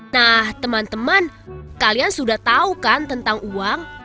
nah teman teman kalian sudah tahu kan tentang uang